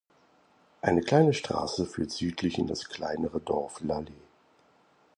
Eine kleine Straße führt südlich in das kleinere Dorf Lale.